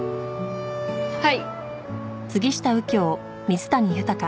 はい！